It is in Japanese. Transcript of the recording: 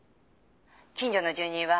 「近所の住人は」